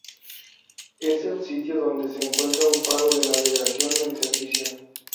Es el sitio donde se encuentra un faro de navegación en servicio.